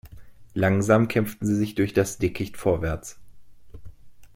Langsam kämpften sie sich durch das Dickicht vorwärts.